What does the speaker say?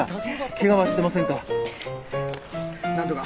ケガはしてませんか？